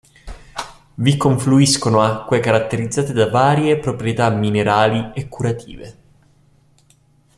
Vi confluiscono acque caratterizzate da varie proprietà minerali e curative.